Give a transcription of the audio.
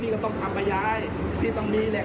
พี่เอามาเป็นสัตว์